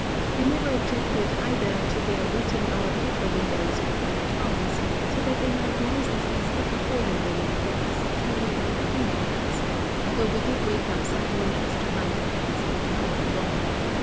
We never objected, either, to their wetting our paper windows with their tongues, so that they might noiselessly slit a hole in them with their exceptionally long finger nails, although we did wake up some mornings to find the panes entirely gone.